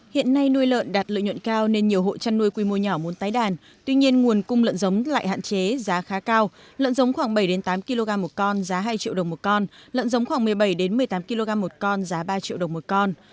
hiện nay nuôi lợn đạt lợi nhuận cao nên nhiều hộ chăn nuôi quy mô nhỏ muốn tái đàn tuy nhiên nguồn cung lợn giống lại hạn chế giá khá cao lợn giống khoảng bảy tám kg một con giá hai triệu đồng một con lợn giống khoảng một mươi bảy một mươi tám kg một con giá ba triệu đồng một con